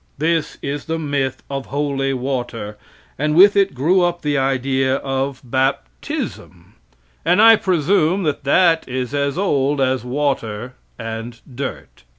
This is the myth of holy water, and with it grew up the idea of baptism, and I presume that that is as old as water and dirt.